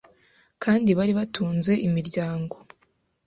kandi bari batunze imiryango.”